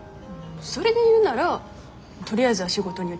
それで言うならとりあえずは仕事に打ち込むかな。